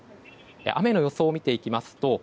雨の予想を見ていきますと